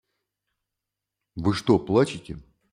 Вы что плачете?